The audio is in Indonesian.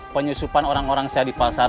penyusupan orang orang saya di pasar